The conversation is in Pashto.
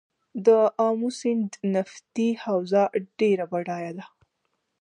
د امو سیند نفتي حوزه ډیره بډایه ده.